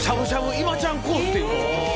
今ちゃんコースっていうのがえ！